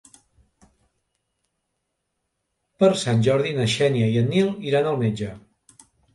Per Sant Jordi na Xènia i en Nil iran al metge.